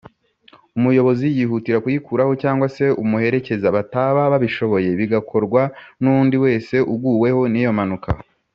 umuyobozi yihutira kuyikuraho cg se umuherekeza bataba babishoboye bigakorwa n’ undi wese uguweho niyo mpanuka